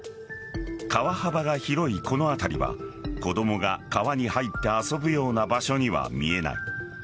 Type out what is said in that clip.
川幅が広いこの辺りは子供が川に入って遊ぶような場所には見えない。